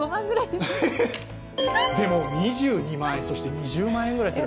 でも２２万円、２０万円くらいする。